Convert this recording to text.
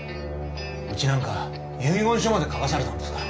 うちなんか遺言書まで書かされたんですから。